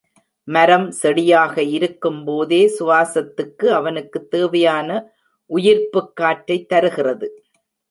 மரம், செடியாக இருக்கும்போதே சுவாசத்துக்கு அவனுக்குத் தேவையான உயிர்ப்புக் காற்றைத் தருகிறது.